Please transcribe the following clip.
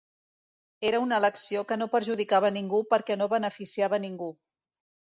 Era una elecció que no perjudicava ningú perquè no beneficiava ningú.